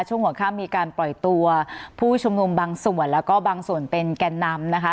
ช่วงหัวข้ามมีการปล่อยตัวผู้ชุมนุมบางส่วนแล้วก็บางส่วนเป็นแก่นนำนะคะ